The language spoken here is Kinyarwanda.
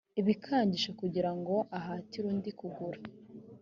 ibikangisho kugira ngo ahatire undi kugura